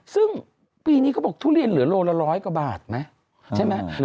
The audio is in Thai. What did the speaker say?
ซึ่งปีนี้เขาบอกทุเรียนเหลือโลละร้อยกว่าบาทไหมใช่ไหม